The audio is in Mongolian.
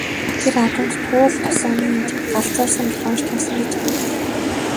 Тэр адуунд Туул тосгоны эмч "галзуурсан" гэх онош тавьсан гэж гэв.